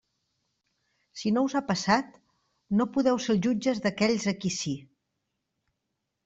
Si no us ha passat, no podeu ser els jutges d'aquells a qui sí.